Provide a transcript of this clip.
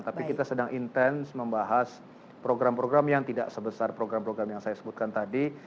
tapi kita sedang intens membahas program program yang tidak sebesar program program yang saya sebutkan tadi